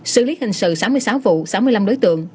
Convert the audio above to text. xử lý hình sự sáu mươi sáu vụ sáu mươi năm đối tượng